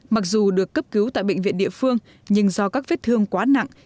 mặc dù được cấp cứu tại bệnh viện địa phương nhưng do các vết thương quá nặng